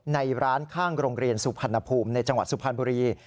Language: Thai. ในร้านข้างโรงเรียนสุพรรณภูมิในจังหวัดสุพรรณบุรี